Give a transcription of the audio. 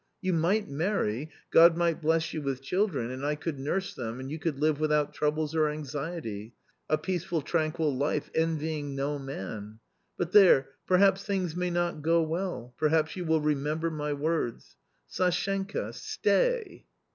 You might marry, God might bless you with children, and I could nurse them and you could live with out troubles or anxiety, a peaceful tranquil life, envying no man — but there, perhaps things may not go well — perhaps you will remember my words. Sashenka ! stay